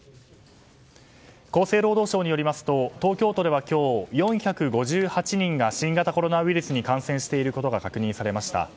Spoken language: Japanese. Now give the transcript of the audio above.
厚生労働省によりますと東京都では今日４５８人が新型コロナウイルスに感染していることが確認されました。